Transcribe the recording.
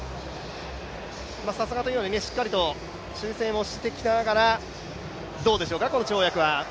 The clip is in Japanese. さすがというより、しっかりと修正もしてきながらどうでしょうか、この跳躍は。